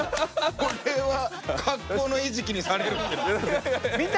これは格好の餌食にされるって。